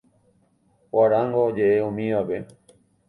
Guarango ojeʼe umívape.